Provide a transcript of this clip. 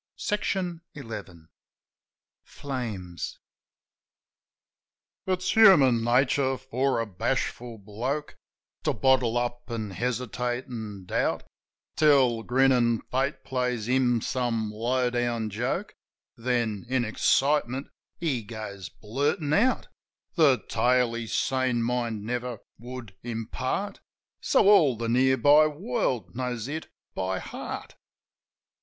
XI. FLAMES Flames IT'S human nature for a bashful bloke To bottle up, an' hesitate, an' doubt Till grinnin' Fate plays him some low down joke; Then, in excitement, he goes blurtin' out The tale his sane mind never would impart. So all the near by world knows it by heart.